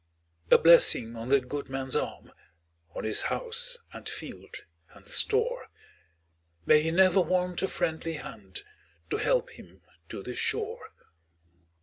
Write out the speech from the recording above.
A blessing on that good man's arm, On his house, and field, and store; May he never want a friendly hand To help him to the shore!